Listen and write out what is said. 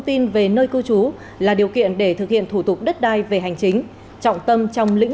tin về nơi cư trú là điều kiện để thực hiện thủ tục đất đai về hành chính trọng tâm trong lĩnh